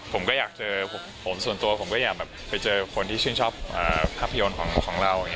ผมก็อยากเจอผมส่วนตัวผมก็อยากไปเจอคนที่ชื่นชอบภาพยนตร์ของเรา